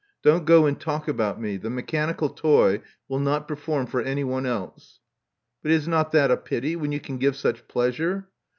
Don't go and talk about me : the mechanical toy will not perform for anyone else. " '*But is not that a pity, when you can give such pleasure?"